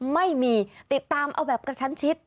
ไม่มีติดตามเอาแบบกระชั้นชิด